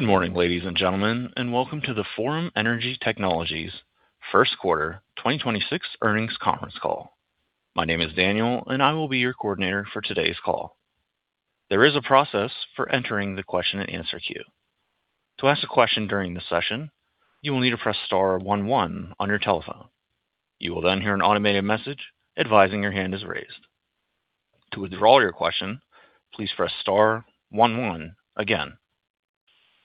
Good morning, ladies and gentlemen, and welcome to the Forum Energy Technologies First Quarter 2026 Earnings Conference Call. My name is Daniel, and I will be your coordinator for today's call. There is a process for entering the question-and-answer queue. To ask a question during this session, you will need to press star one one on your telephone. You will then hear an automated message advising your hand is raised. To withdraw your question, please press star one one again.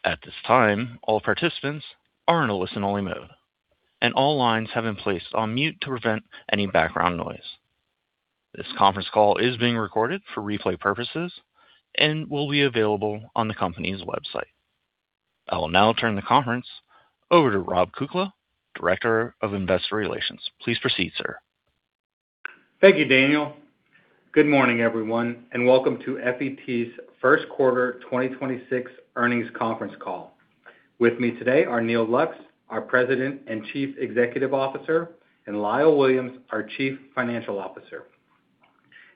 At this time, all participants are in a listen-only mode, and all lines have been placed on mute to prevent any background noise. This conference call is being recorded for replay purposes and will be available on the company's website. I will now turn the conference over to Rob Kukla, Director of Investor Relations. Please proceed, sir. Thank you, Daniel. Good morning, everyone, and welcome to FET's First Quarter 2026 Earnings Conference Call. With me today are Neal Lux, our President and Chief Executive Officer, and Lyle Williams, our Chief Financial Officer.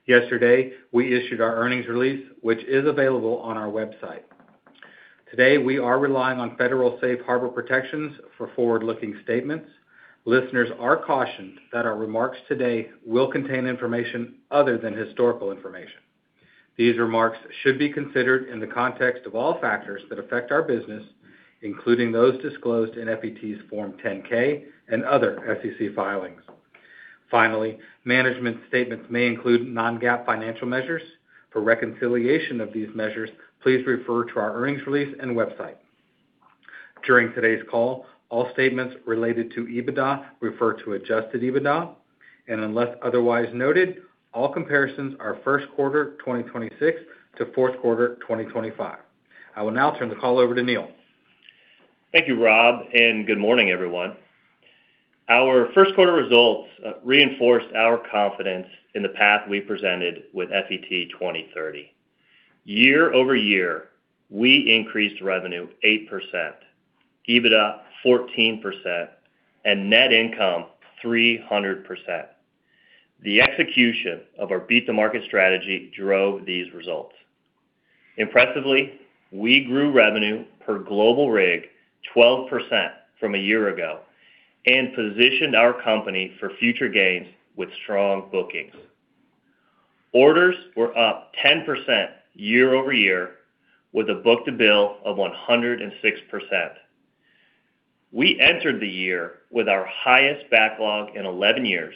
Yesterday, we issued our earnings release, which is available on our website. Today, we are relying on federal safe harbor protections for forward-looking statements. Listeners are cautioned that our remarks today will contain information other than historical information. These remarks should be considered in the context of all factors that affect our business, including those disclosed in FET's Form 10-K and other SEC filings. Finally, management statements may include non-GAAP financial measures. For reconciliation of these measures, please refer to our earnings release and website. During today's call, all statements related to EBITDA refer to adjusted EBITDA. Unless otherwise noted, all comparisons are first quarter 2026 to fourth quarter 2025. I will now turn the call over to Neal. Thank you, Rob, and good morning, everyone. Our first quarter results reinforced our confidence in the path we presented with FET 2030. Year-over-year, we increased revenue 8%, EBITDA 14%, and net income 300%. The execution of our beat the market strategy drove these results. Impressively, we grew revenue per global rig 12% from a year ago and positioned our company for future gains with strong bookings. Orders were up 10% year-over-year with a book-to-bill of 106%. We entered the year with our highest backlog in 11 years,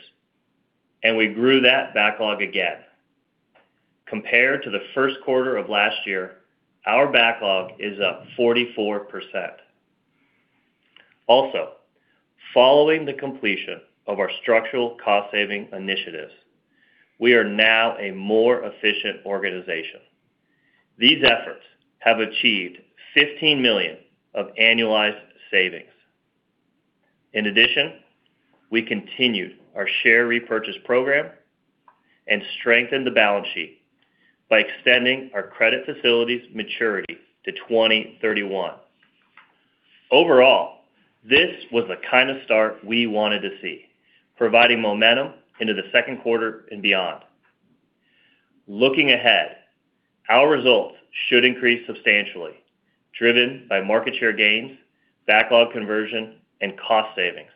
and we grew that backlog again. Compared to the first quarter of last year, our backlog is up 44%. Following the completion of our structural cost-saving initiatives, we are now a more efficient organization. These efforts have achieved $15 million of annualized savings. In addition, we continued our share repurchase program and strengthened the balance sheet by extending our credit facilities maturity to 2031. Overall, this was the kind of start we wanted to see, providing momentum into the second quarter and beyond. Looking ahead, our results should increase substantially, driven by market share gains, backlog conversion, and cost savings.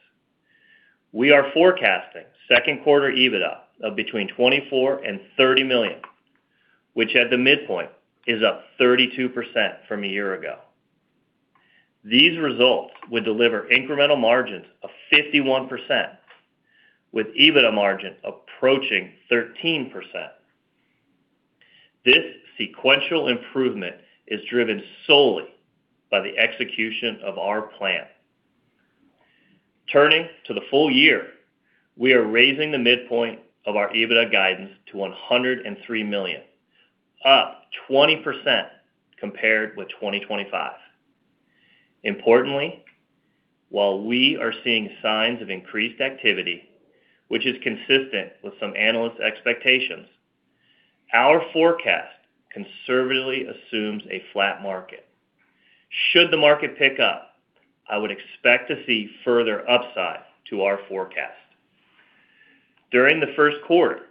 We are forecasting second quarter EBITDA of between $24 million-$30 million, which at the midpoint is up 32% from a year ago. These results would deliver incremental margins of 51%, with EBITDA margin approaching 13%. This sequential improvement is driven solely by the execution of our plan. Turning to the full year, we are raising the midpoint of our EBITDA guidance to $103 million, up 20% compared with 2025. Importantly, while we are seeing signs of increased activity, which is consistent with some analyst expectations, our forecast conservatively assumes a flat market. Should the market pick up, I would expect to see further upside to our forecast. During the first quarter,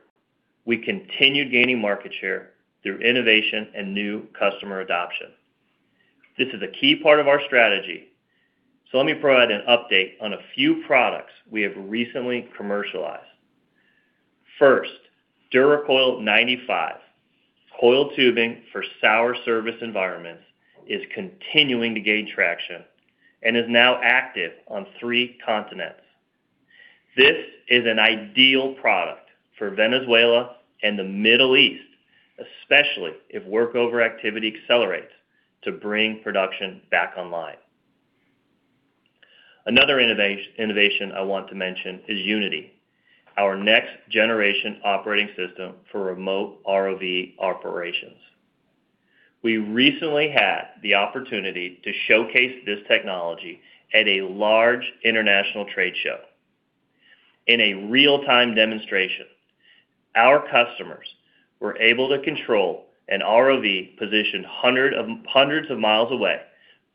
we continued gaining market share through innovation and new customer adoption. This is a key part of our strategy. Let me provide an update on a few products we have recently commercialized. First, DuraCoil 95, coiled tubing for sour service environments, is continuing to gain traction and is now active on three continents. This is an ideal product for Venezuela and the Middle East, especially if work over activity accelerates to bring production back online. Another innovation I want to mention is Unity, our next generation operating system for remote ROV operations. We recently had the opportunity to showcase this technology at a large international trade show. In a real-time demonstration, our customers were able to control an ROV positioned hundreds of miles away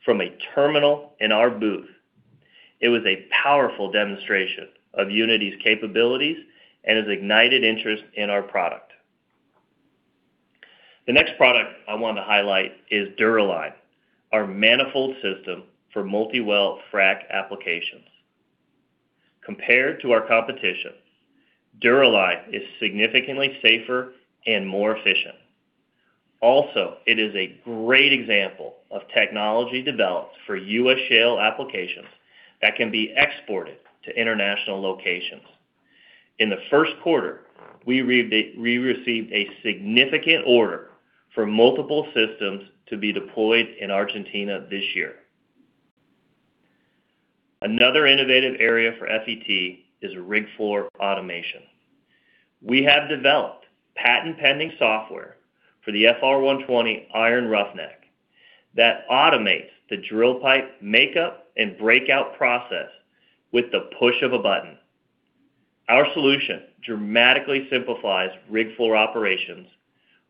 from a terminal in our booth. It was a powerful demonstration of Unity's capabilities and has ignited interest in our product. The next product I want to highlight is DuraLine, our manifold system for multi-well frack applications. Compared to our competition, DuraLine is significantly safer and more efficient. Also, it is a great example of technology developed for U.S. shale applications that can be exported to international locations. In the first quarter, we received a significant order for multiple systems to be deployed in Argentina this year. Another innovative area for FET is rig floor automation. We have developed patent-pending software for the FR120 Iron Roughneck that automates the drill pipe makeup and breakout process with the push of a button. Our solution dramatically simplifies rig floor operations,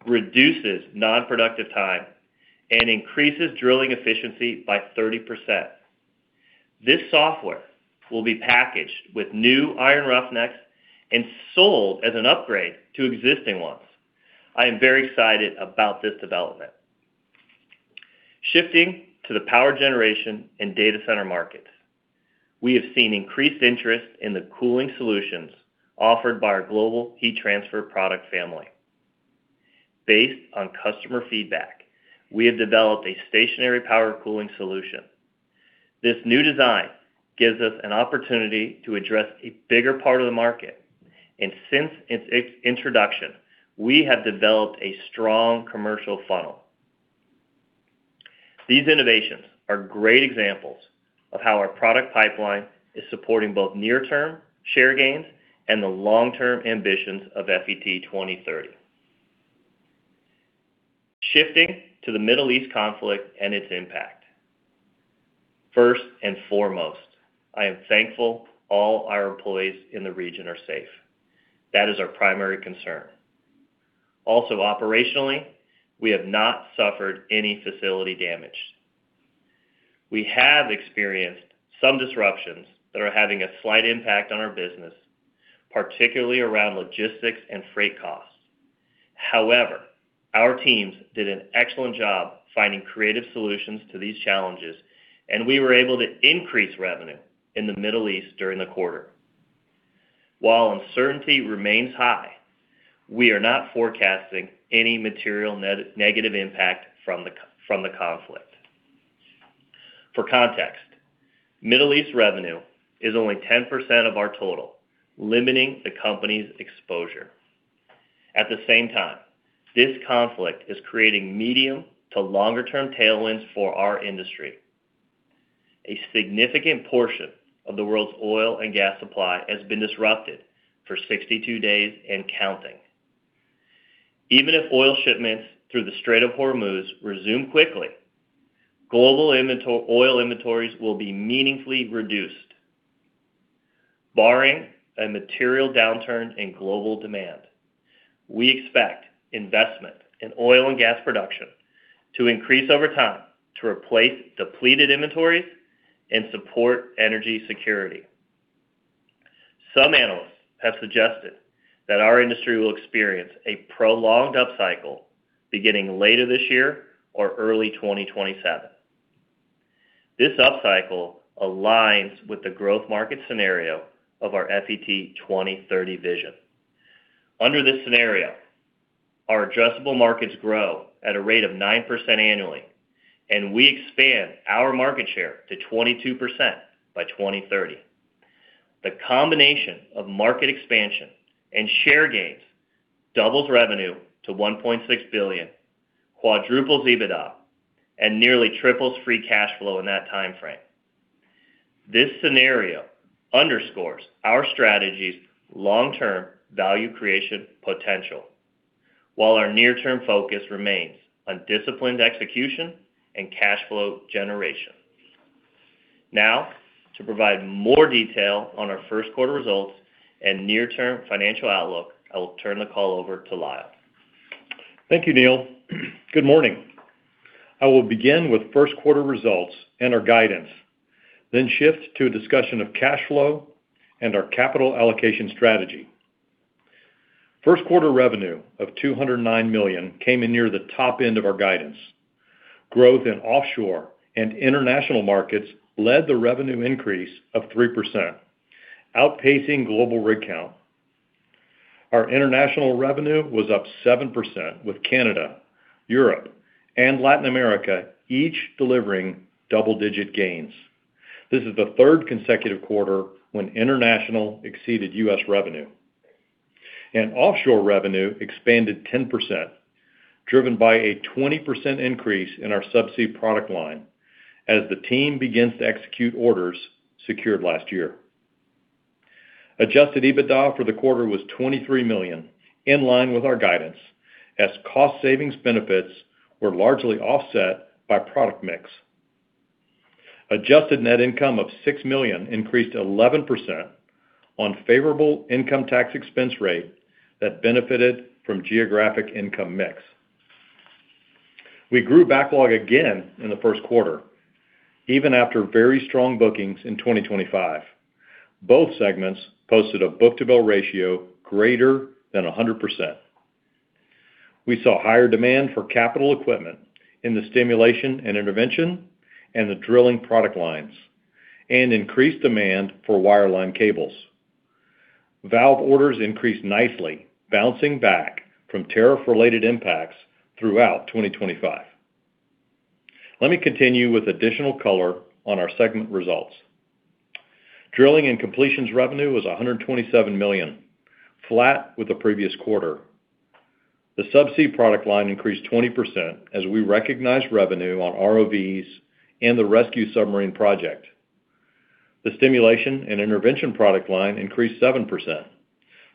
reduces non-productive time, and increases drilling efficiency by 30%. This software will be packaged with new Iron Roughnecks and sold as an upgrade to existing ones. I am very excited about this development. Shifting to the power generation and data center markets, we have seen increased interest in the cooling solutions offered by our Global Heat Transfer product family. Based on customer feedback, we have developed a stationary power cooling solution. This new design gives us an opportunity to address a bigger part of the market. Since its introduction, we have developed a strong commercial funnel. These innovations are great examples of how our product pipeline is supporting both near term share gains and the long term ambitions of FET 2030. Shifting to the Middle East conflict and its impact. First and foremost, I am thankful all our employees in the region are safe. That is our primary concern. Operationally, we have not suffered any facility damage. We have experienced some disruptions that are having a slight impact on our business, particularly around logistics and freight costs. Our teams did an excellent job finding creative solutions to these challenges, and we were able to increase revenue in the Middle East during the quarter. While uncertainty remains high, we are not forecasting any material negative impact from the conflict. For context, Middle East revenue is only 10% of our total, limiting the company's exposure. This conflict is creating medium to longer term tailwinds for our industry. A significant portion of the world's oil and gas supply has been disrupted for 62 days and counting. Even if oil shipments through the Strait of Hormuz resume quickly, global oil inventories will be meaningfully reduced. Barring a material downturn in global demand, we expect investment in oil and gas production to increase over time to replace depleted inventories and support energy security. Some analysts have suggested that our industry will experience a prolonged upcycle beginning later this year or early 2027. This upcycle aligns with the growth market scenario of our FET 2030 vision. Under this scenario, our addressable markets grow at a rate of 9% annually, and we expand our market share to 22% by 2030. The combination of market expansion and share gains doubles revenue to $1.6 billion, quadruples EBITDA, and nearly triples free cash flow in that timeframe. This scenario underscores our strategy's long-term value creation potential, while our near-term focus remains on disciplined execution and cash flow generation. Now, to provide more detail on our first quarter results and near-term financial outlook, I will turn the call over to Lyle. Thank you, Neal. Good morning. I will begin with first quarter results and our guidance, then shift to a discussion of cash flow and our capital allocation strategy. First quarter revenue of $209 million came in near the top end of our guidance. Growth in offshore and international markets led the revenue increase of 3%, outpacing global rig count. Our international revenue was up 7%, with Canada, Europe and Latin America each delivering double-digit gains. This is the third consecutive quarter when international exceeded U.S. revenue. Offshore revenue expanded 10%, driven by a 20% increase in our subsea product line as the team begins to execute orders secured last year. Adjusted EBITDA for the quarter was $23 million, in line with our guidance, as cost savings benefits were largely offset by product mix. Adjusted net income of $6 million increased 11% on favorable income tax expense rate that benefited from geographic income mix. We grew backlog again in the first quarter, even after very strong bookings in 2025. Both segments posted a book-to-bill ratio greater than 100%. We saw higher demand for capital equipment in the stimulation and intervention, and the drilling product lines, and increased demand for wireline cables. Valve orders increased nicely, bouncing back from tariff related impacts throughout 2025. Let me continue with additional color on our segment results. Drilling and Completions revenue was $127 million, flat with the previous quarter. The subsea product line increased 20% as we recognized revenue on ROVs and the Submarine Rescue Vehicle project. The stimulation and intervention product line increased 7%,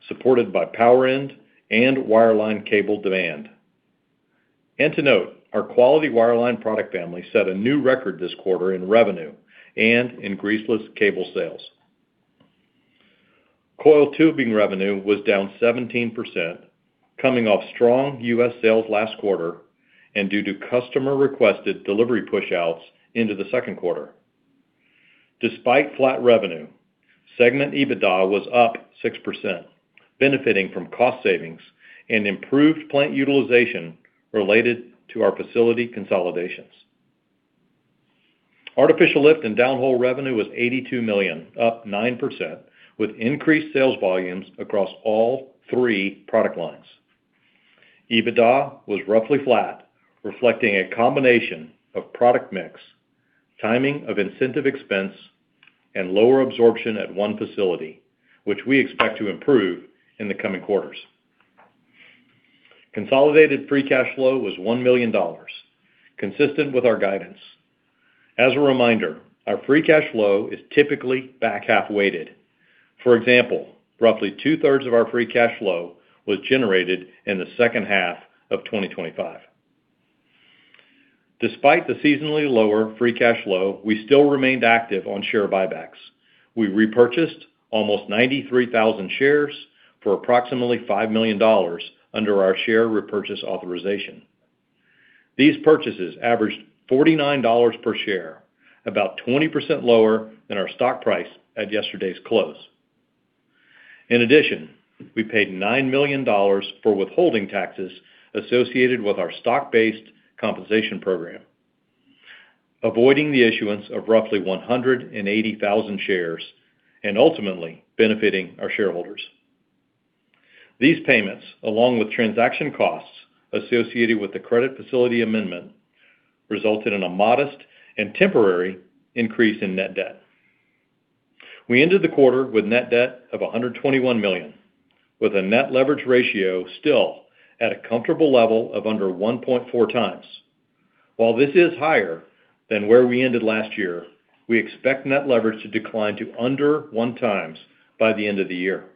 supported by power end and wireline cable demand. To note, our quality wireline product family set a new record this quarter in revenue and in greaseless cable sales. coiled tubing revenue was down 17%, coming off strong U.S. sales last quarter and due to customer-requested delivery push outs into the second quarter. Despite flat revenue, segment EBITDA was up 6%, benefiting from cost savings and improved plant utilization related to our facility consolidations. Artificial Lift and Downhole revenue was $82 million, up 9%, with increased sales volumes across all three product lines. EBITDA was roughly flat, reflecting a combination of product mix, timing of incentive expense, and lower absorption at one facility, which we expect to improve in the coming quarters. Consolidated free cash flow was $1 million, consistent with our guidance. As a reminder, our free cash flow is typically back-half-weighted. For example, roughly two-thirds of our free cash flow was generated in the second half of 2025. Despite the seasonally lower free cash flow, we still remained active on share buybacks. We repurchased almost 93,000 shares for approximately $5 million under our share repurchase authorization. These purchases averaged $49 per share, about 20% lower than our stock price at yesterday's close. In addition, we paid $9 million for withholding taxes associated with our stock-based compensation program, avoiding the issuance of roughly 180,000 shares and ultimately benefiting our shareholders. These payments, along with transaction costs associated with the credit facility amendment, resulted in a modest and temporary increase in net debt. We ended the quarter with net debt of $121 million, with a net leverage ratio still at a comfortable level of under 1.4 times. While this is higher than where we ended last year, we expect net leverage to decline to under one times by the end of the year.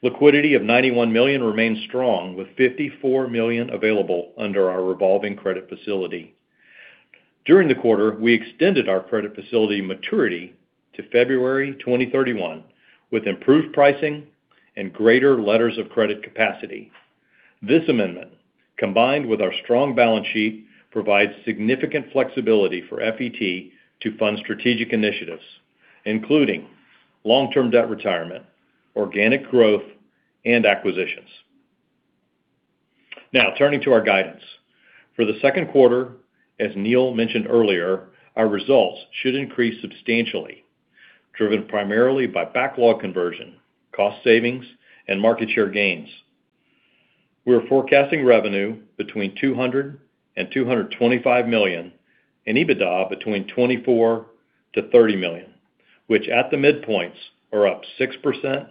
Liquidity of $91 million remains strong, with $54 million available under our revolving credit facility. During the quarter, we extended our credit facility maturity to February 2031 with improved pricing and greater letters of credit capacity. This amendment, combined with our strong balance sheet, provides significant flexibility for FET to fund strategic initiatives, including long-term debt retirement, organic growth, and acquisitions. Now, turning to our guidance. For the second quarter, as Neal mentioned earlier, our results should increase substantially, driven primarily by backlog conversion, cost savings, and market share gains. We are forecasting revenue between $200 million and $225 million and EBITDA between $24 million and $30 million, which at the midpoints are up 6%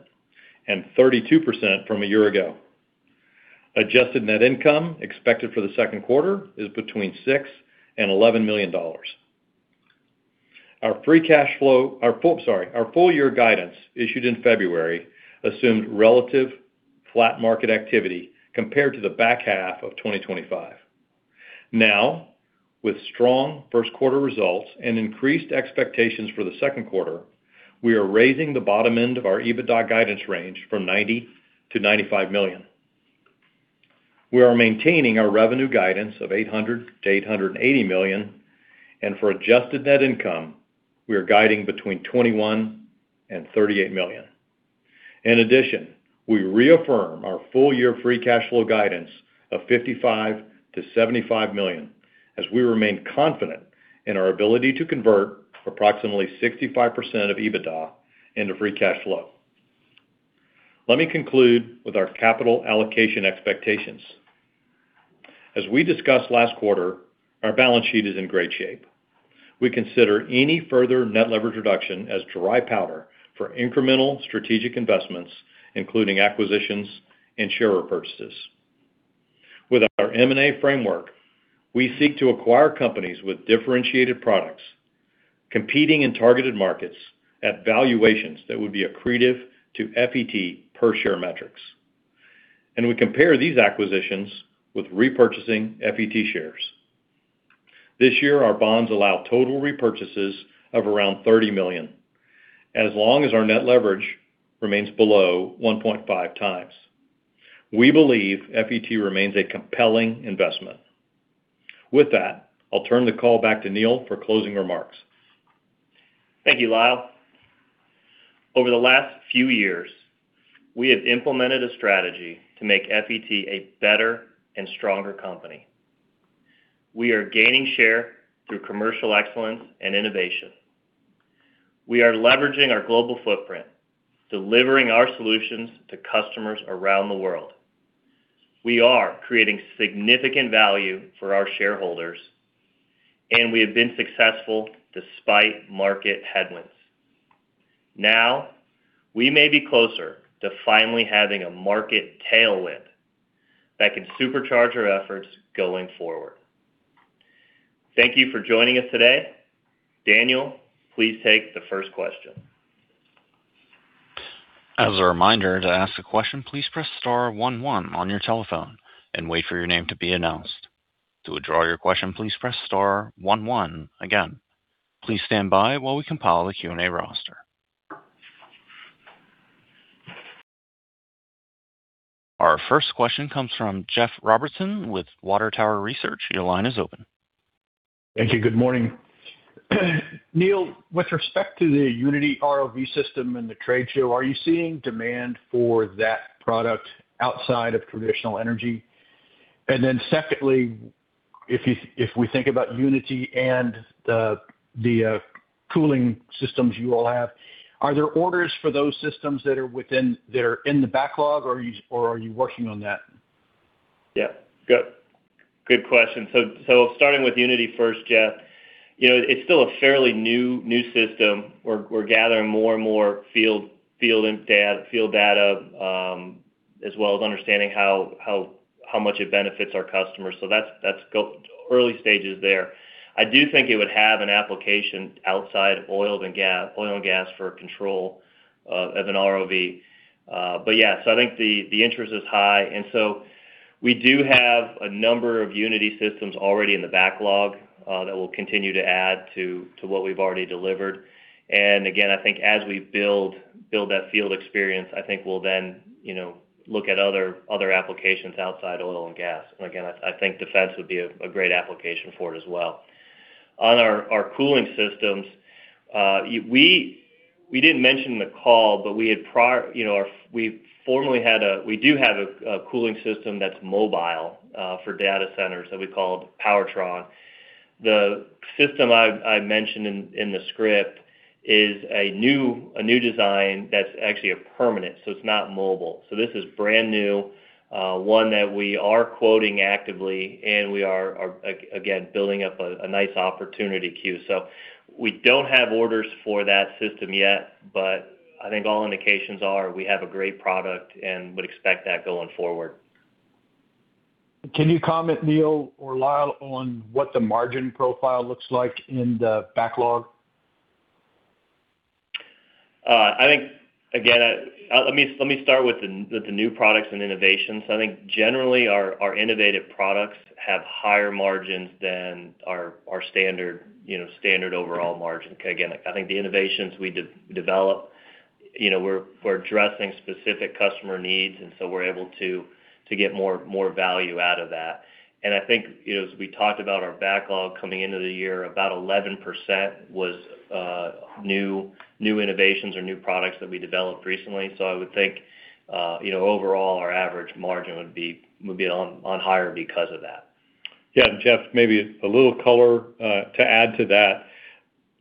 and 32% from a year ago. Adjusted net income expected for the second quarter is between $6 million and $11 million. Our full year guidance issued in February assumed relative flat market activity compared to the back half of 2025. With strong first quarter results and increased expectations for the second quarter, we are raising the bottom end of our EBITDA guidance range from $90 million-$95 million. We are maintaining our revenue guidance of $800 million-$880 million, for adjusted net income, we are guiding between $21 million and $38 million. In addition, we reaffirm our full year free cash flow guidance of $55 million-$75 million as we remain confident in our ability to convert approximately 65% of EBITDA into free cash flow. Let me conclude with our capital allocation expectations. We discussed last quarter, our balance sheet is in great shape. We consider any further net leverage reduction as dry powder for incremental strategic investments, including acquisitions and share repurchases. With our M&A framework, we seek to acquire companies with differentiated products, competing in targeted markets at valuations that would be accretive to FET per share metrics, and we compare these acquisitions with repurchasing FET shares. This year, our bonds allow total repurchases of around $30 million. Long as our net leverage remains below 1.5 times, we believe FET remains a compelling investment. With that, I'll turn the call back to Neal for closing remarks. Thank you, Lyle. Over the last few years, we have implemented a strategy to make FET a better and stronger company. We are gaining share through commercial excellence and innovation. We are leveraging our global footprint, delivering our solutions to customers around the world. We are creating significant value for our shareholders, and we have been successful despite market headwinds. We may be closer to finally having a market tailwind that can supercharge our efforts going forward. Thank you for joining us today. Daniel, please take the first question. Our first question comes from Jeff Robertson with Water Tower Research. Your line is open. Thank you. Good morning. Neal, with respect to the Unity ROV system in the trade show, are you seeing demand for that product outside of traditional energy? Secondly, if we think about Unity and the cooling systems you all have, are there orders for those systems that are in the backlog, or are you working on that? Yeah. Good question. Starting with Unity first, Jeff, you know, it's still a fairly new system. We're gathering more and more field data, as well as understanding how much it benefits our customers. That's early stages there. I do think it would have an application outside oil and gas for control, as an ROV. But yeah, I think the interest is high. We do have a number of Unity systems already in the backlog, that we'll continue to add to what we've already delivered. Again, I think as we build that field experience, I think we'll then, you know, look at other applications outside oil and gas. Again, I think defense would be a great application for it as well. On our cooling systems, we didn't mention the call, but we formerly had a cooling system that's mobile for data centers that we call the Powertron. The system I mentioned in the script is a new design that's actually a permanent, so it's not mobile. This is brand new, one that we are quoting actively, and we are again building up a nice opportunity queue. We don't have orders for that system yet, but I think all indications are we have a great product and would expect that going forward. Can you comment, Neal or Lyle, on what the margin profile looks like in the backlog? I think, again, let me start with the new products and innovations. I think generally our innovative products have higher margins than our standard, you know, standard overall margin. Again, I think the innovations we develop, you know, we're addressing specific customer needs, so we're able to get more value out of that. I think, you know, as we talked about our backlog coming into the year, about 11% was new innovations or new products that we developed recently. I would think, you know, overall, our average margin would be on higher because of that. Jeff, maybe a little color to add to that.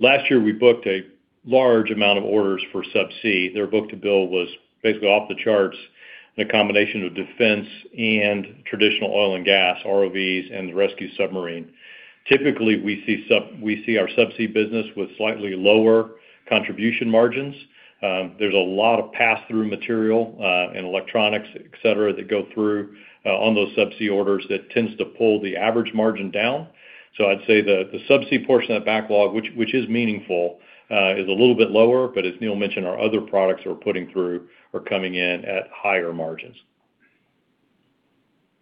Last year, we booked a large amount of orders for subsea. Their book-to-bill was basically off the charts in a combination of defense and traditional oil and gas, ROVs, and the rescue submarine. Typically, we see our subsea business with slightly lower contribution margins. There's a lot of pass-through material and electronics, et cetera, that go through on those subsea orders that tends to pull the average margin down. I'd say the subsea portion of backlog, which is meaningful, is a little bit lower. As Neal mentioned, our other products we're putting through are coming in at higher margins.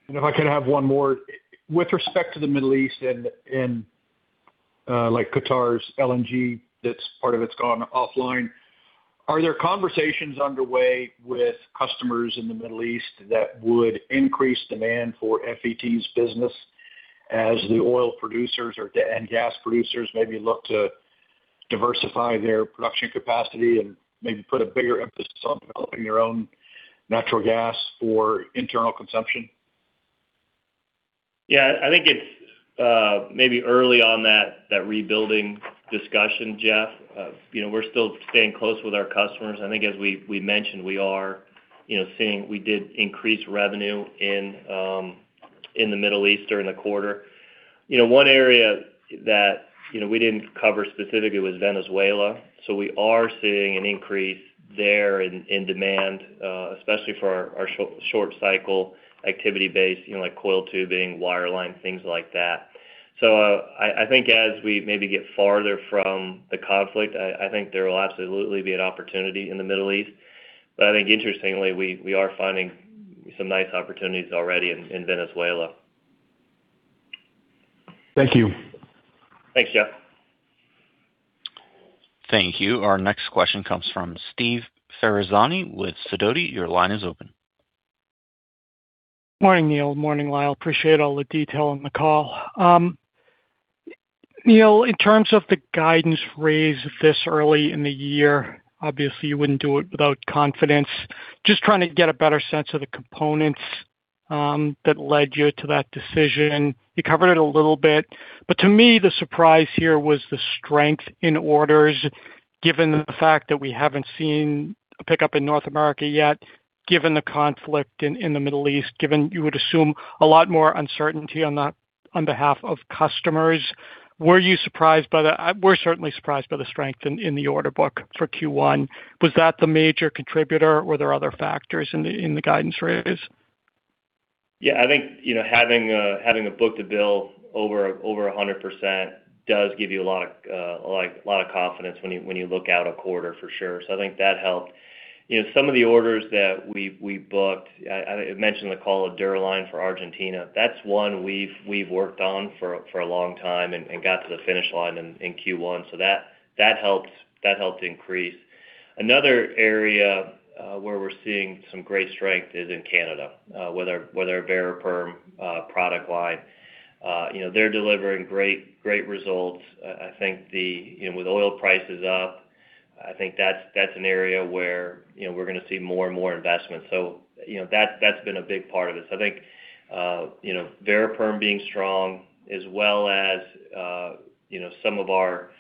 If I could have one more. With respect to the Middle East and, like Qatar's LNG part of it's gone offline, are there conversations underway with customers in the Middle East that would increase demand for FET's business as the oil producers or and gas producers maybe look to diversify their production capacity and maybe put a bigger emphasis on developing their own natural gas for internal consumption? Yeah. I think it's maybe early on that rebuilding discussion, Jeff. You know, we're still staying close with our customers. I think as we mentioned, We did increase revenue in the Middle East during the quarter. You know, one area that, you know, we didn't cover specifically was Venezuela. We are seeing an increase there in demand especially for our short cycle activity base, you know, like coiled tubing, wireline, things like that. I think as we maybe get farther from the conflict, I think there will absolutely be an opportunity in the Middle East. I think interestingly, we are finding some nice opportunities already in Venezuela. Thank you. Thanks, Jeff. Thank you. Our next question comes from Steve Ferazani with Sidoti. Your line is open. Morning, Neal. Morning, Lyle. Appreciate all the detail on the call. Neal, in terms of the guidance raised this early in the year, obviously you wouldn't do it without confidence. Just trying to get a better sense of the components that led you to that decision. You covered it a little bit, but to me, the surprise here was the strength in orders given the fact that we haven't seen a pickup in North America yet, given the conflict in the Middle East, given you would assume a lot more uncertainty on that on behalf of customers. Were you surprised by the? We are certainly surprised by the strength in the order book for Q1. Was that the major contributor? Were there other factors in the guidance raise? Yeah, I think, you know, having a book-to-bill over 100% does give you a lot of, like, lot of confidence when you, when you look out a quarter, for sure. I think that helped. You know, some of the orders that we booked, I mentioned in the call a DuraLine for Argentina. That's one we've worked on for a long time and got to the finish line in Q1. That helps. That helped increase. Another area where we're seeing some great strength is in Canada, with our Variperm product line. You know, they're delivering great results. I think the, you know, with oil prices up, I think that's an area where, you know, we're gonna see more and more investment. you know, that's been a big part of this. I think, you know, Variperm being strong as well as, you know, some of our,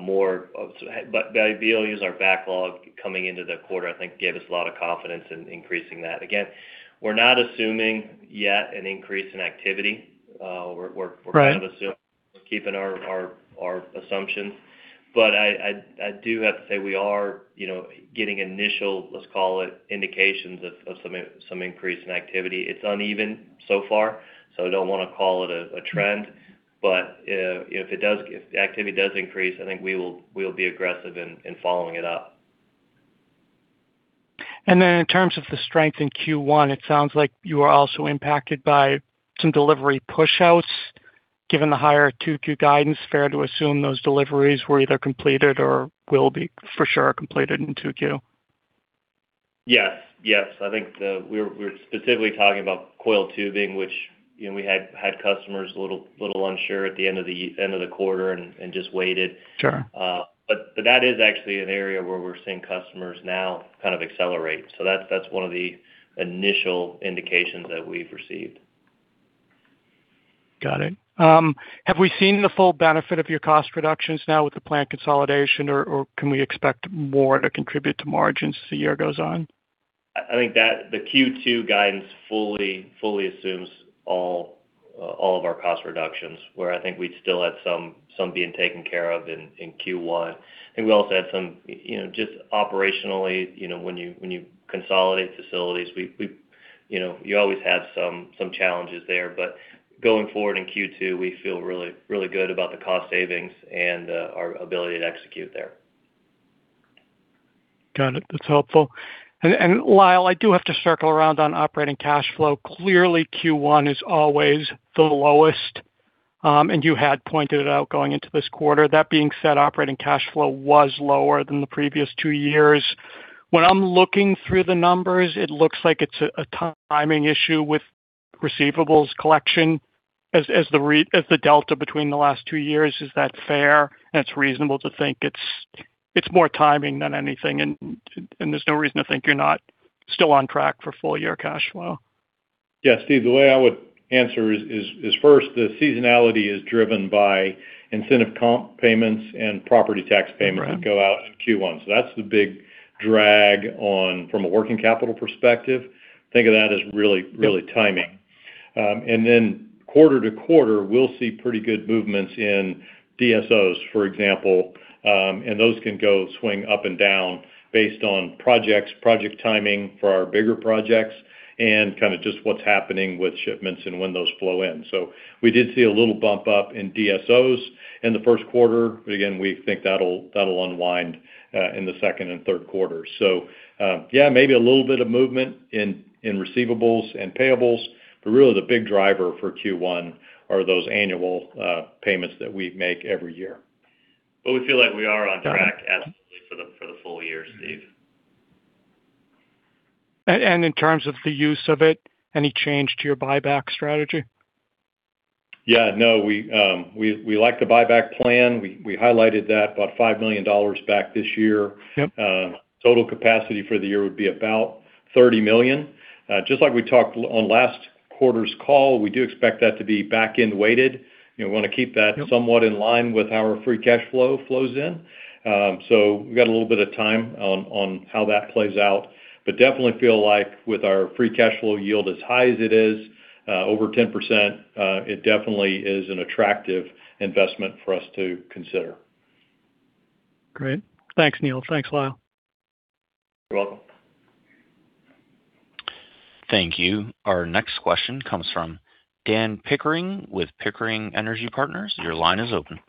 more of, the ability to use our backlog coming into the quarter, I think gave us a lot of confidence in increasing that. Again, we're not assuming yet an increase in activity. Right... kind of assume keeping our assumptions. I do have to say we are, you know, getting initial, let's call it, indications of some increase in activity. It's uneven so far, so I don't wanna call it a trend. You know, if the activity does increase, I think we will be aggressive in following it up. In terms of the strength in Q1, it sounds like you are also impacted by some delivery push outs, given the higher Q2 guidance. Fair to assume those deliveries were either completed or will be for sure completed in Q2? Yes. Yes. I think we're specifically talking about coiled tubing, which, you know, we had customers a little unsure at the end of the quarter and just waited. Sure. That is actually an area where we're seeing customers now kind of accelerate. That's one of the initial indications that we've received. Got it. Have we seen the full benefit of your cost reductions now with the plant consolidation or can we expect more to contribute to margins as the year goes on? I think that the Q2 guidance fully assumes all of our cost reductions, where I think we still had some being taken care of in Q1. I think we also had some, you know, just operationally, you know, when you, when you consolidate facilities, we, you know, you always have some challenges there. But going forward in Q2, we feel really good about the cost savings and our ability to execute there. Got it. That's helpful. Lyle, I do have to circle around on operating cash flow. Clearly, Q1 is always the lowest, and you had pointed it out going into this quarter. That being said, operating cash flow was lower than the previous two years. When I am looking through the numbers, it looks like it is a timing issue with receivables collection as the delta between the last two years. Is that fair? It is reasonable to think it is more timing than anything, and there is no reason to think you are not still on track for full year cash flow. Steve, the way I would answer is first, the seasonality is driven by incentive comp payments and property tax payments. Okay that go out in Q1. That's the big drag on from a working capital perspective. Yep... really timing. quarter-to-quarter, we'll see pretty good movements in DSOs, for example. Those can go swing up and down based on projects, project timing for our bigger projects, and kind of just what's happening with shipments and when those flow in. We did see a little bump up in DSOs in the first quarter, but again, we think that'll unwind in the second and third quarter. Yeah, maybe a little bit of movement in receivables and payables, but really the big driver for Q1 are those annual payments that we make every year. We feel like we are on track absolutely for the full year, Steve. In terms of the use of it, any change to your buyback strategy? Yeah, no, we like the buyback plan. We highlighted that about $5 million back this year. Yep. Total capacity for the year would be about $30 million. Just like we talked on last quarter's call, we do expect that to be back-end weighted. You know, we wanna keep that- Yep... somewhat in line with how our free cash flow flows in. We've got a little bit of time on how that plays out. Definitely feel like with our free cash flow yield as high as it is, over 10%, it definitely is an attractive investment for us to consider. Great. Thanks, Neal. Thanks, Lyle. You're welcome. Thank you. Our next question comes from Dan Pickering with Pickering Energy Partners. Your line is open.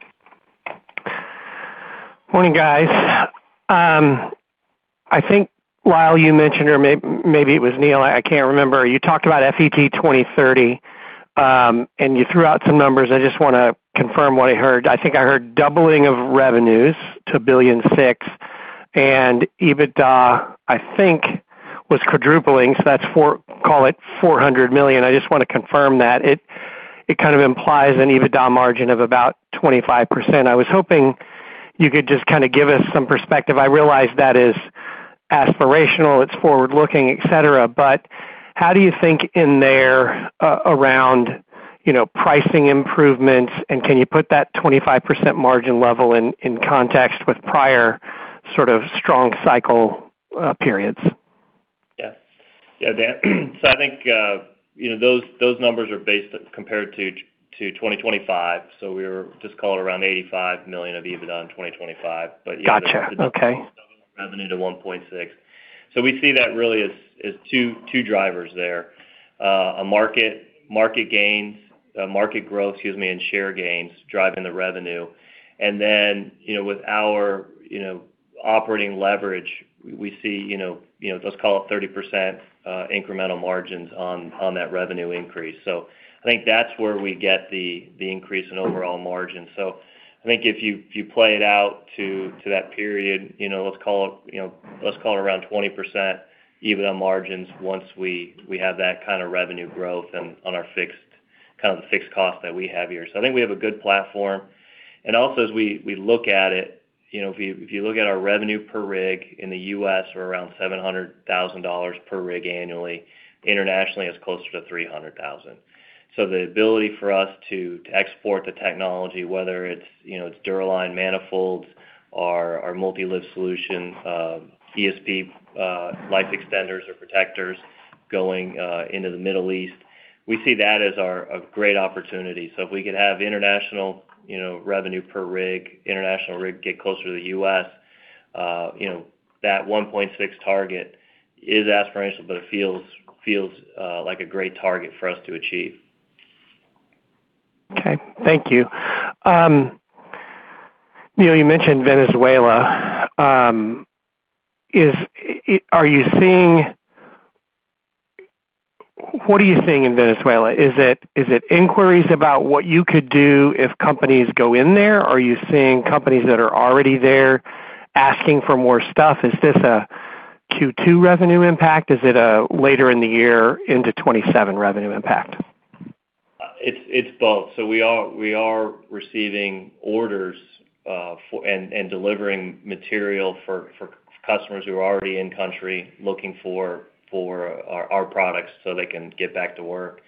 Morning, guys. I think Lyle, you mentioned, or maybe it was Neal, I can't remember. You talked about FET 2030. You threw out some numbers. I just wanna confirm what I heard. I think I heard doubling of revenues to $1.6 billion. EBITDA, I think, was quadrupling. That's call it $400 million. I just wanna confirm that. It kind of implies an EBITDA margin of about 25%. I was hoping you could just kinda give us some perspective. I realize that is aspirational, it's forward-looking, et cetera. How do you think in there around, you know, pricing improvements? Can you put that 25% margin level in context with prior sort of strong cycle periods? Yeah. Yeah, Dan. I think, you know, those numbers are based compared to 2025, so we were just call it around $85 million of EBITDA in 2025. Yeah. Gotcha. Okay.... revenue to $1.6. We see that really as two drivers there. A market gains, market growth, excuse me, and share gains driving the revenue. With our, you know, operating leverage, we see, you know, let's call it 30% incremental margins on that revenue increase. I think that's where we get the increase in overall margin. I think if you play it out to that period, you know, let's call it around 20% EBITDA margins once we have that kind of revenue growth and on our fixed cost that we have here. I think we have a good platform. Also, as we look at it, you know, if you look at our revenue per rig in the U.S., we're around $700,000 per rig annually. Internationally, it's closer to $300,000. The ability for us to export the technology, whether it's, you know, DuraLine manifolds or our Multilift solution, ESP life extenders or protectors going into the Middle East, we see that as a great opportunity. If we could have international, you know, revenue per rig, international rig get closer to the U.S., you know, that 1.6 target is aspirational, but it feels like a great target for us to achieve. Okay. Thank you. Neal, you mentioned Venezuela. What are you seeing in Venezuela? Is it inquiries about what you could do if companies go in there? Are you seeing companies that are already there asking for more stuff? Is this a Q2 revenue impact? Is it a later in the year into 2027 revenue impact? It's both. We are receiving orders, and delivering material for customers who are already in country looking for our products so they can get back to work.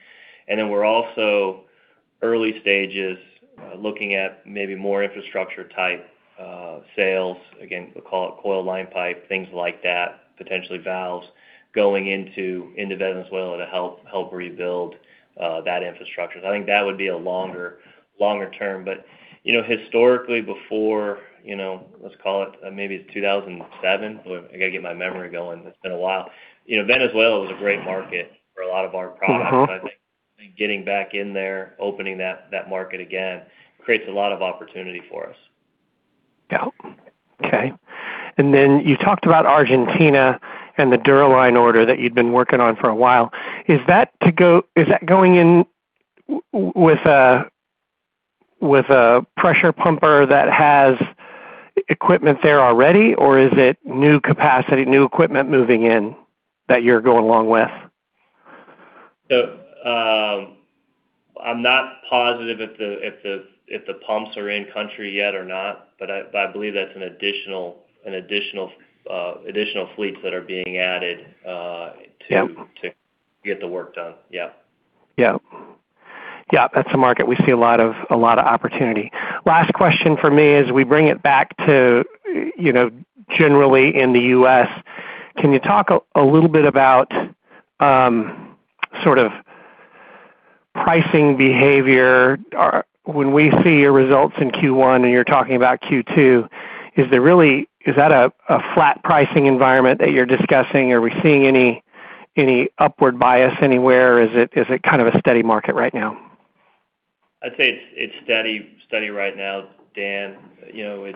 We're also early stages looking at maybe more infrastructure type sales. Again, we'll call it Coiled Line Pipe, things like that, potentially valves, going into Venezuela to help rebuild that infrastructure. I think that would be a longer term. You know, historically before, you know, let's call it maybe it's 2007. I gotta get my memory going. It's been a while. You know, Venezuela was a great market for a lot of our products. Mm-hmm. I think getting back in there, opening that market again creates a lot of opportunity for us. Yeah. Okay. Then you talked about Argentina and the DuraLine order that you'd been working on for a while. Is that going in with a pressure pumper that has equipment there already, or is it new capacity, new equipment moving in that you're going along with? I'm not positive if the pumps are in country yet or not, but I believe that's an additional fleets that are being added. Yeah to get the work done. Yeah. Yeah, that's a market we see a lot of opportunity. Last question from me as we bring it back to, you know, generally in the U.S. Can you talk a little bit about sort of pricing behavior? When we see your results in Q1 and you're talking about Q2, is that a flat pricing environment that you're discussing? Are we seeing any upward bias anywhere? Is it kind of a steady market right now? I'd say it's steady right now, Dan. You know,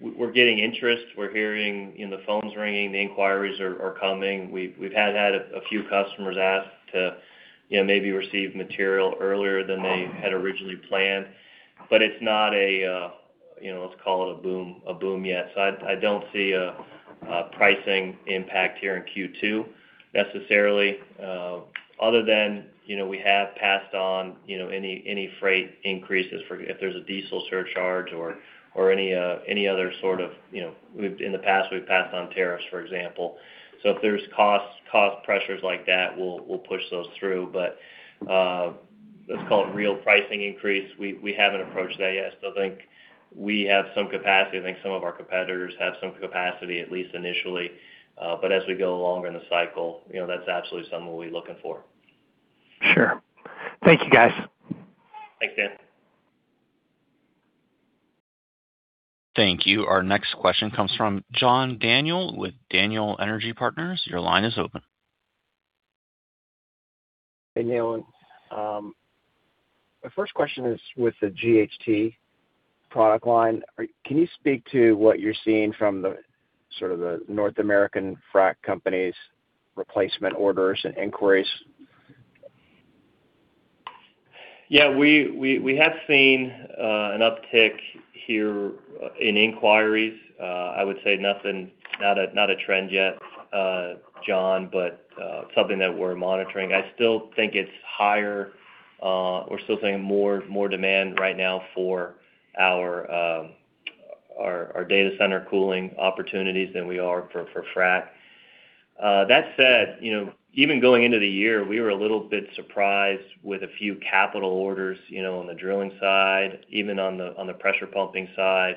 we're getting interest. We're hearing, you know, the phone's ringing, the inquiries are coming. We've had a few customers ask to, you know, maybe receive material earlier than they had originally planned. It's not a, you know, let's call it a boom yet. I don't see a pricing impact here in Q2 necessarily, other than, you know, we have passed on, you know, any freight increases for if there's a diesel surcharge or any other sort of, you know, in the past, we've passed on tariffs, for example. If there's cost pressures like that, we'll push those through. Let's call it real pricing increase, we haven't approached that yet. I think we have some capacity. I think some of our competitors have some capacity, at least initially. As we go along in the cycle, you know, that's absolutely something we'll be looking for. Sure. Thank you, guys. Thanks, Dan. Thank you. Our next question comes from John Daniel with Daniel Energy Partners. Your line is open. Hey, Neal. My first question is with the GHT product line. Can you speak to what you're seeing from the sort of the North American frac companies' replacement orders and inquiries? Yeah. We have seen an uptick here in inquiries. I would say nothing, not a trend yet, John, but something that we're monitoring. I still think it's higher, we're still seeing more demand right now for our data center cooling opportunities than we are for frac. That said, you know, even going into the year, we were a little bit surprised with a few capital orders, you know, on the drilling side, even on the pressure pumping side,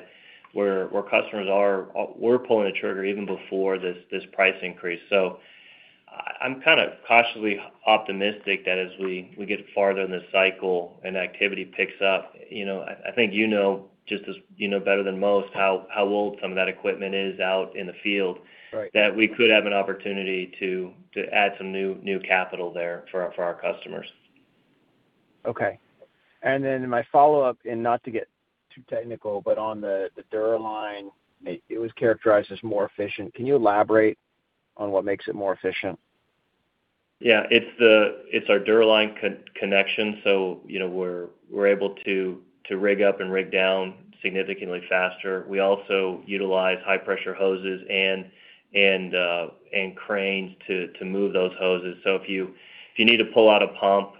where customers are pulling the trigger even before this price increase. I'm kinda cautiously optimistic that as we get farther in the cycle and activity picks up, you know, I think you know just as, you know better than most how old some of that equipment is out in the field. Right... that we could have an opportunity to add some new capital there for our customers. Okay. My follow-up, and not to get too technical, but on the DuraLine, it was characterized as more efficient. Can you elaborate on what makes it more efficient? Yeah. It's our DuraLine connection. You know, we're able to rig up and rig down significantly faster. We also utilize high pressure hoses and cranes to move those hoses. If you need to pull out a pump,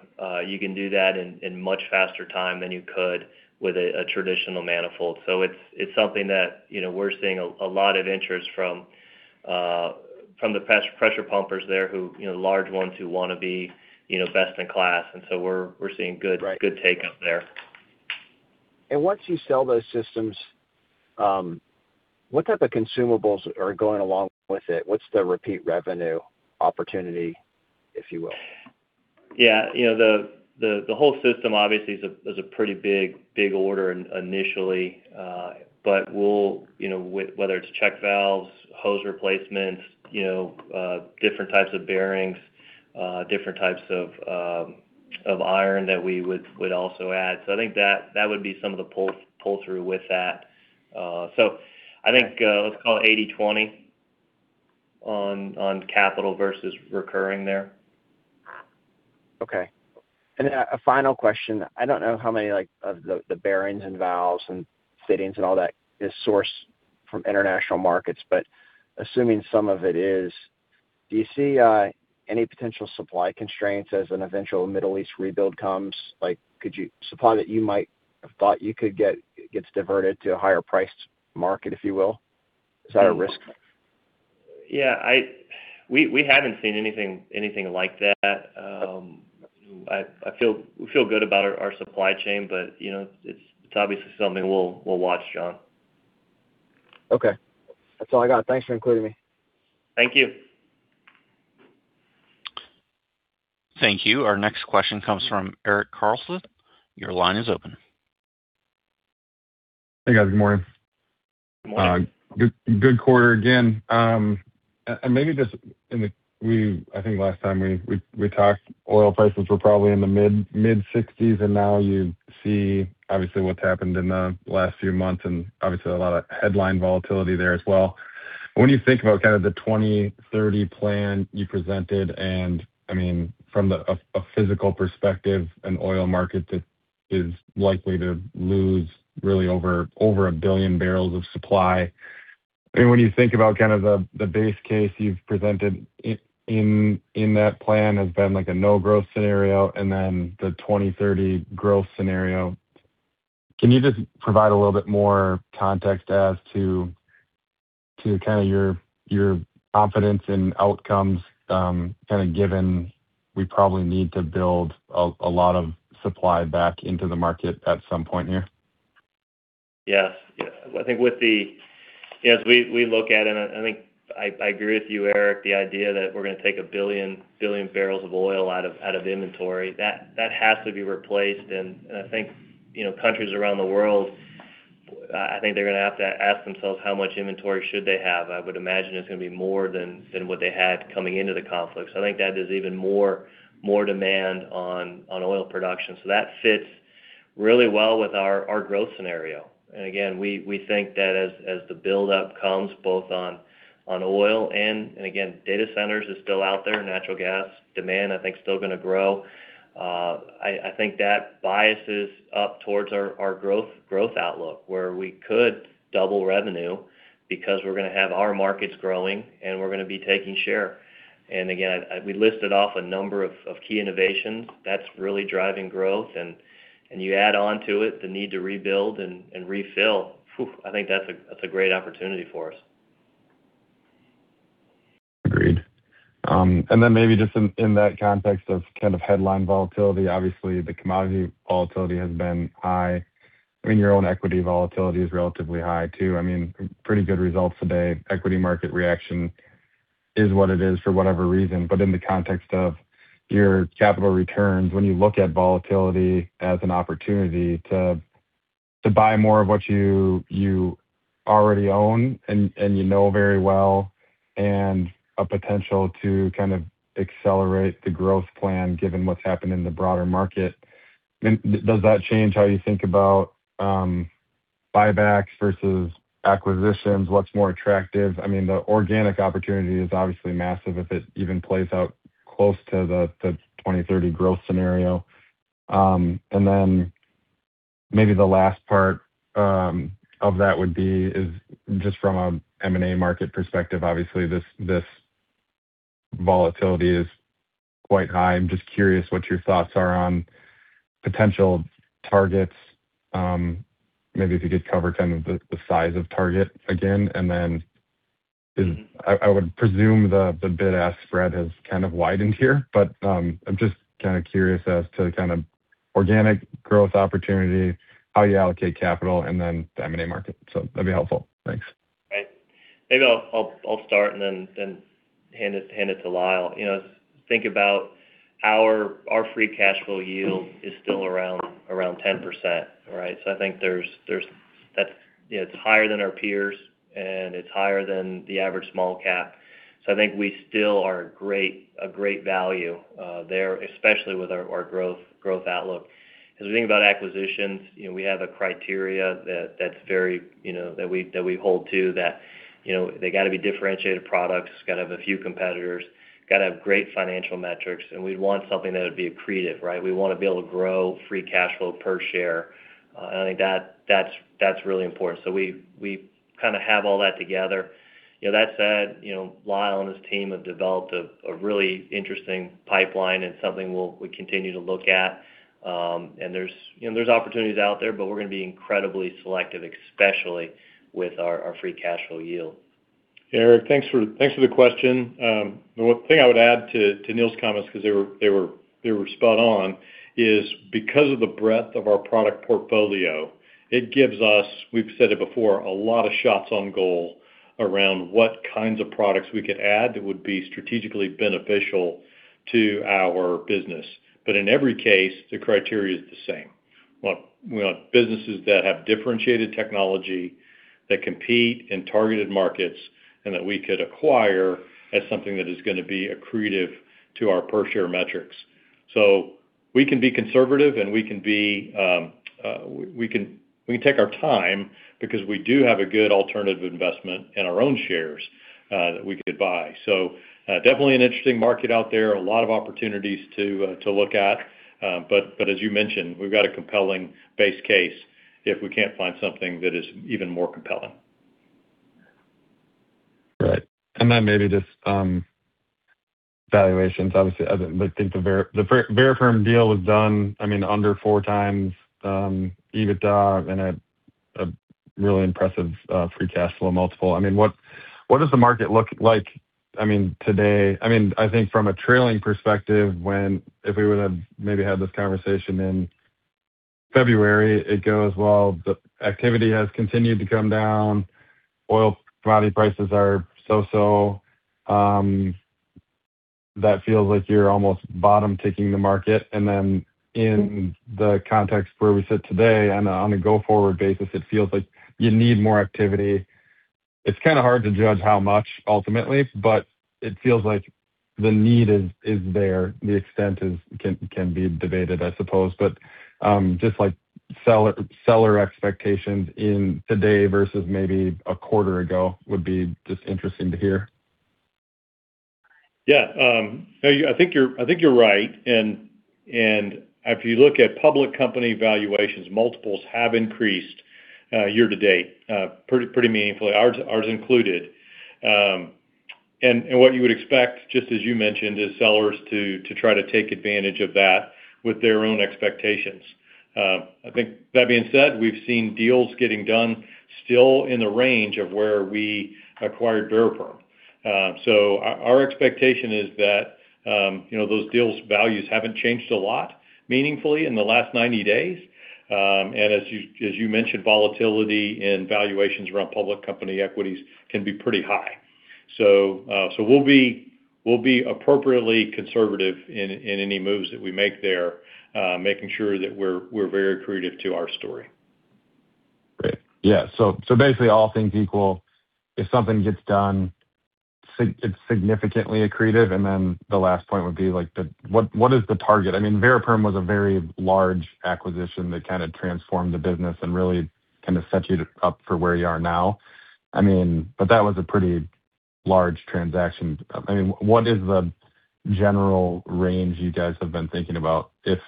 you can do that in much faster time than you could with a traditional manifold. It's something that, you know, we're seeing a lot of interest from the pressure pumpers there who, you know, large ones who wanna be, you know, best in class. We're seeing good. Right good take up there. Once you sell those systems, what type of consumables are going along with it? What's the repeat revenue opportunity, if you will? Yeah. You know, the whole system obviously is a pretty big order initially. We'll, you know, whether it's check valves, hose replacements, you know, different types of bearings, different types of iron that we would also add. I think that would be some of the pull through with that. I think, let's call it 80/20 on capital versus recurring there. Okay. A final question. I don't know how many, like, of the bearings and valves and fittings and all that is sourced from international markets, assuming some of it is, do you see any potential supply constraints as an eventual Middle East rebuild comes? Like, could supply that you might have thought you could get gets diverted to a higher priced market, if you will? Is that a risk? Yeah, we haven't seen anything like that. We feel good about our supply chain, but, you know, it's obviously something we'll watch, John. Okay. That's all I got. Thanks for including me. Thank you. Thank you. Our next question comes from Eric Carlson. Your line is open. Hey, guys. Good morning. Good morning. Good quarter again. Maybe just I think last time we talked, oil prices were probably in the mid-60s, and now you see obviously what's happened in the last few months, and obviously a lot of headline volatility there as well. When you think about kind of the 2030 plan you presented, I mean, from a physical perspective, an oil market that is likely to lose really over 1 billion barrels of supply. I mean, when you think about kind of the base case you've presented in that plan has been like a no-growth scenario and then the 2030 growth scenario. Can you just provide a little bit more context as to kinda your confidence in outcomes, kinda given we probably need to build a lot of supply back into the market at some point here? Yes. Yes. I think with the, you know, as we look at it, and I think I agree with you, Eric, the idea that we're gonna take 1 billion barrels of oil out of inventory, that has to be replaced. I think, you know, countries around the world, I think they're gonna have to ask themselves how much inventory should they have. I would imagine it's gonna be more than what they had coming into the conflict. I think that is even more demand on oil production. That fits really well with our growth scenario. Again, we think that as the buildup comes both on oil and again, data centers is still out there, natural gas demand I think is still gonna grow. I think that biases up towards our growth outlook, where we could double revenue because we're gonna have our markets growing, and we're gonna be taking share. Again, we listed off a number of key innovations. That's really driving growth. You add on to it the need to rebuild and refill. Phew, I think that's a great opportunity for us. Agreed. Then maybe just in that context of kind of headline volatility, obviously the commodity volatility has been high. I mean, your own equity volatility is relatively high too. I mean, pretty good results today. Equity market reaction is what it is for whatever reason. In the context of your capital returns, when you look at volatility as an opportunity to buy more of what you already own and you know very well, and a potential to kind of accelerate the growth plan given what's happened in the broader market. Does that change how you think about buybacks versus acquisitions? What's more attractive? I mean, the organic opportunity is obviously massive if it even plays out close to the FET 2030 growth scenario. Maybe the last part of that would be is just from a M&A market perspective, obviously this volatility is quite high. I'm just curious what your thoughts are on potential targets. Maybe if you could cover kind of the size of target again. I would presume the bid-ask spread has kind of widened here. I'm just kind of curious as to kind of organic growth opportunity, how you allocate capital and then the M&A market. That'd be helpful. Thanks. Right. Maybe I'll start and then hand it to Lyle. You know, think about our free cash flow yield is still around 10%, right? I think there's, you know, it's higher than our peers and it's higher than the average small cap. I think we still are great, a great value there, especially with our growth outlook. As we think about acquisitions, you know, we have a criteria that's very, you know, that we hold to that, you know, they gotta be differentiated products, it's gotta have a few competitors, gotta have great financial metrics, and we'd want something that would be accretive, right? We wanna be able to grow free cash flow per share. I think that's really important. We kinda have all that together. You know, that said, you know, Lyle and his team have developed a really interesting pipeline and something we continue to look at. There's, you know, there's opportunities out there, but we're gonna be incredibly selective, especially with our free cash flow yield. Eric, thanks for the question. The one thing I would add to Neal's comments, 'cause they were spot on, is because of the breadth of our product portfolio, it gives us, we've said it before, a lot of shots on goal around what kinds of products we could add that would be strategically beneficial to our business. In every case, the criteria is the same. We want businesses that have differentiated technology, that compete in targeted markets, and that we could acquire as something that is going to be accretive to our per share metrics. We can be conservative and we can take our time because we do have a good alternative investment in our own shares that we could buy. Definitely an interesting market out there, a lot of opportunities to look at. But as you mentioned, we've got a compelling base case if we can't find something that is even more compelling. Right. Maybe just, valuations. Obviously, I think the Variperm deal was done, under 4x EBITDA and a really impressive free cash flow multiple. What does the market look like today? I think from a trailing perspective, if we would've maybe had this conversation in February, it'd go as well. The activity has continued to come down. Oil commodity prices are so-so. That feels like you're almost bottom-ticking the market. In the context where we sit today on a go-forward basis, it feels like you need more activity. It's kind of hard to judge how much ultimately, but it feels like the need is there. The extent can be debated, I suppose. Just like seller expectations in today versus maybe a quarter ago would be just interesting to hear. Yeah. No, I think you're right. If you look at public company valuations, multiples have increased year to date pretty meaningfully. Ours included. What you would expect, just as you mentioned, is sellers to try to take advantage of that with their own expectations. I think that being said, we've seen deals getting done still in the range of where we acquired Variperm. Our expectation is that, you know, those deals values haven't changed a lot meaningfully in the last 90 days. As you mentioned, volatility and valuations around public company equities can be pretty high. We'll be appropriately conservative in any moves that we make there, making sure that we're very accretive to our story. Great. Yeah. Basically all things equal, if something gets done it's significantly accretive, and then the last point would be like what is the target? I mean, Variperm was a very large acquisition that kind of transformed the business and really kind of set you up for where you are now. I mean, that was a pretty large transaction. I mean, what is the general range you guys have been thinking about if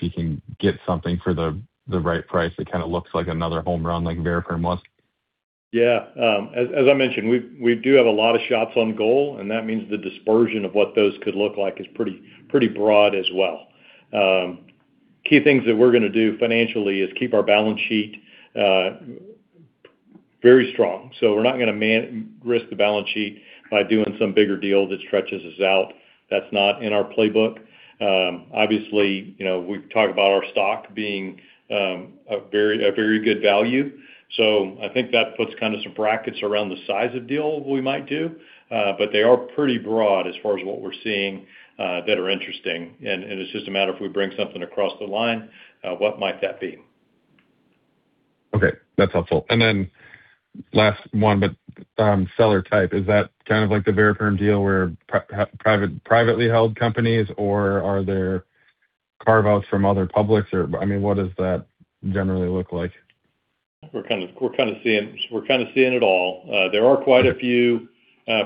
you can get something for the right price that kind of looks like another home run like Variperm was? Yeah. As, as I mentioned, we do have a lot of shots on goal, that means the dispersion of what those could look like is pretty broad as well. Key things that we're gonna do financially is keep our balance sheet very strong. We're not gonna risk the balance sheet by doing some bigger deal that stretches us out. That's not in our playbook. Obviously, you know, we've talked about our stock being a very good value. I think that puts kind of some brackets around the size of deal we might do. They are pretty broad as far as what we're seeing that are interesting. It's just a matter of we bring something across the line, what might that be? Okay. That's helpful. Last one, seller type, is that kind of like the Variperm deal where private, privately held companies or are there carve-outs from other publics or, I mean, what does that generally look like? We're kind of seeing it all. There are quite a few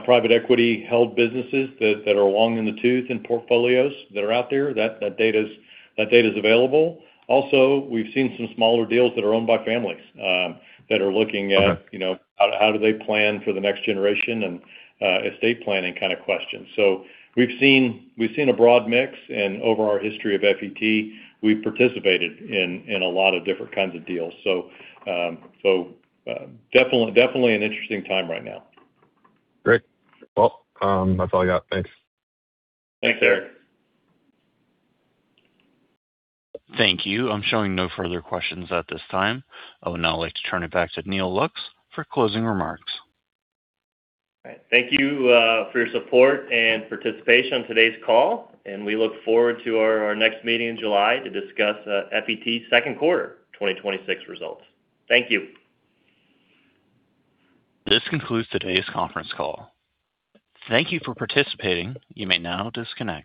private equity held businesses that are long in the tooth in portfolios that are out there. That data's available. Also, we've seen some smaller deals that are owned by families. Okay you know, how do they plan for the next generation and estate planning kind of questions. We've seen a broad mix and over our history of FET, we've participated in a lot of different kinds of deals. Definitely an interesting time right now. Great. Well, that's all I got. Thanks. Thanks, Eric. Thank you. I'm showing no further questions at this time. I would now like to turn it back to Neal Lux for closing remarks. All right. Thank you, for your support and participation on today's call, and we look forward to our next meeting in July to discuss, FET's second quarter 2026 results. Thank you. This concludes today's conference call. Thank you for participating. You may now disconnect.